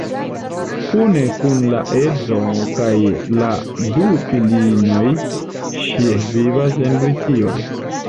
Kune kun la edzo kaj la du filinoj ŝi vivas en Britio.